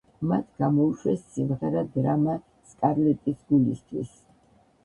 მათ გამოუშვეს სიმღერა დრამა „სკარლეტის გულისთვის“.